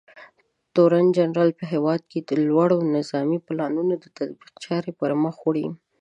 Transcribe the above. تورنجنرال په هېواد کې د لوړو نظامي پلانونو د تطبیق چارې پرمخ وړي.